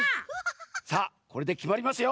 さあこれできまりますよ。